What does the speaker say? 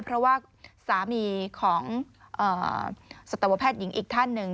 เพราะว่าสามีของสัตวแพทย์หญิงอีกท่านหนึ่ง